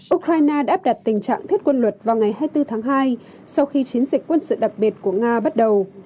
ukraine đã áp đặt tình trạng thiết quân luật vào ngày hai mươi bốn tháng hai sau khi chiến dịch quân sự đặc biệt của nga bắt đầu